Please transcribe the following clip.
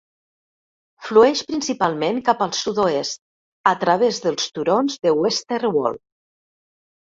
Flueix principalment cap al sud-oest, a través dels turons de Westerwald.